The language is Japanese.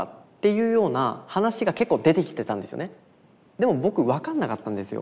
でも僕分かんなかったんですよ。